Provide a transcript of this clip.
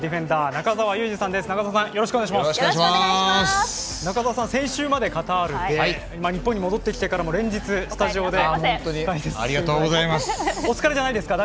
中澤さん、先週までカタールで今、日本に戻ってきてからも連日スタジオで解説してお疲れじゃないですか？